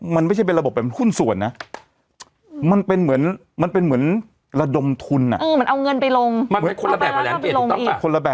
มันไม่ใช่เป็นระบบแบบขุ้นส่วนนะมันเป็นเหมือนมันเป็นเหมือนระดมทุนอ่ะ